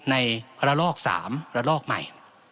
ในระลอก๓ระลอกใหม่